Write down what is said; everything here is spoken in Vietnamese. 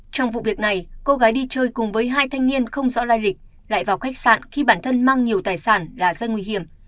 trong vụ việc này cô gái đi chơi cùng với hai thanh niên không rõ lai lịch lại vào khách sạn khi bản thân mang nhiều tài sản là rất nguy hiểm